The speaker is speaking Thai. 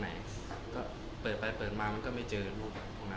ไหนวันไหนก็เปิดไปเปิดมามันก็ไม่เจออยู่กันตรงนั้นแล้ว